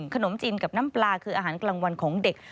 ขนมจีนกับน้ำปลาคืออาหารกลางวันของเด็ก